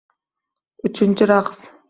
Uchinchi raqs.